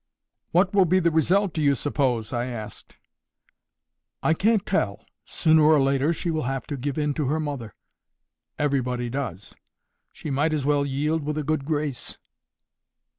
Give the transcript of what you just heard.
"What will be the result, do you suppose?" I asked. "I can't tell. Sooner or later she will have to give in to her mother. Everybody does. She might as well yield with a good grace."